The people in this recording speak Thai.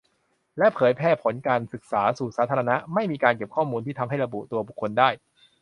และเผยแพร่ผลการศึกษาสู่สาธารณะ - ไม่มีการเก็บข้อมูลที่ทำให้ระบุตัวบุคคลได้